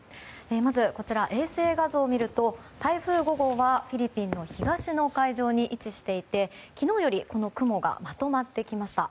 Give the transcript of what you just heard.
まず衛星画像を見ると台風５号はフィリピンの東の海上に位置していて昨日よりこの雲がまとまってきました。